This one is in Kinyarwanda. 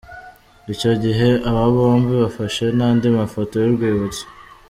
Icyo gihe aba bombi bafashe n’andi mafoto y’urwibutso.